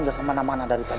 nggak kemana mana dari tadi